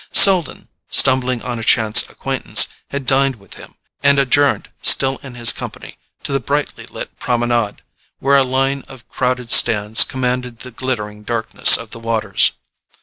Selden, stumbling on a chance acquaintance, had dined with him, and adjourned, still in his company, to the brightly lit Promenade, where a line of crowded stands commanded the glittering darkness of the waters.